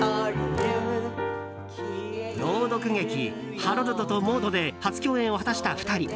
朗読劇「ハロルドとモード」で初共演を果たした２人。